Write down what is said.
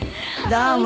どうも。